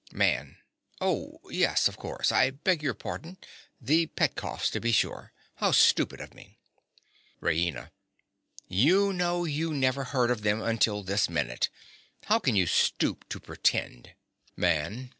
MAN. Oh, yes, of course. I beg your pardon. The Petkoffs, to be sure. How stupid of me! RAINA. You know you never heard of them until this minute. How can you stoop to pretend? MAN.